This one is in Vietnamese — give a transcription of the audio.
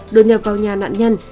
được nhập vào nhà nạn nhân